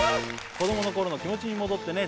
子供のころの気持ちに戻ってね